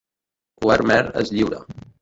Wermeer es lliura.